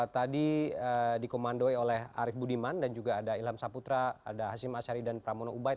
tadi dikomandoi oleh arief budiman dan juga ada ilham saputra ada hasim ashari dan pramono ubaid